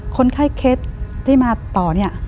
คนไข้เคสที่มาต่อเนี่ย